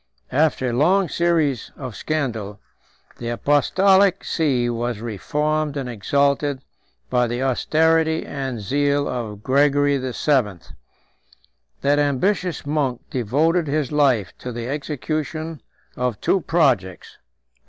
After a long series of scandal, the apostolic see was reformed and exalted by the austerity and zeal of Gregory VII. That ambitious monk devoted his life to the execution of two projects.